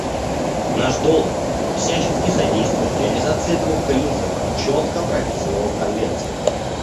Наш долг — всячески содействовать реализации этого принципа, четко прописанного в Конвенции.